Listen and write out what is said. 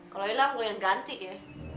kalau hilang gue yang ganti ya